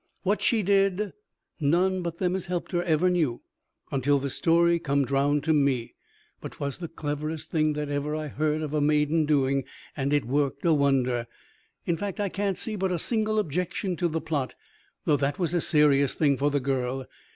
What she did, none but them as helped her ever knew, until the story comed round to me; but 'twas the cleverest thing that ever I heard of a maiden doing, and it worked a wonder. In fact, I can't see but a single objection to the plot, though that was a serious thing for the girl.